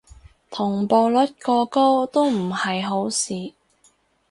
同步率過高都唔係好事